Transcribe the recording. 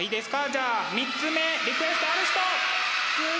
じゃあ３つ目リクエストある人？